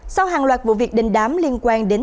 sau hàng loạt vụ việc đình đám liên quan đến